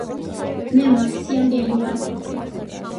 მე მაქცია მგელი ვარ.